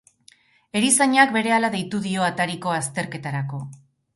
Erizainak berehala deitu dio atariko azterketarako.